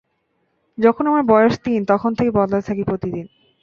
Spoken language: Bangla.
যখন আমার বয়স তিন, তখন থেকে বদলাতে থাকি প্রতিদিন।